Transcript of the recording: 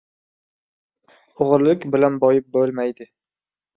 • O‘g‘rilik bilan boyib bo‘lmaydi.